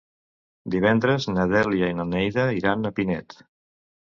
Divendres na Dèlia i na Neida iran a Pinet.